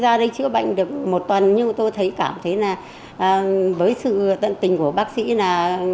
ra đây chữa bệnh được một tuần nhưng tôi thấy cảm thấy là với sự tận tình của bác sĩ là